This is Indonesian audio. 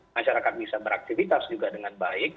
masyarakat bisa beraktivitas juga dengan baik